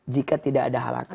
jika tidak ada halangnya